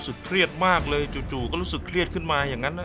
เครียดมากเลยจู่ก็รู้สึกเครียดขึ้นมาอย่างนั้นนะ